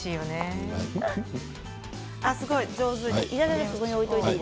すごい上手。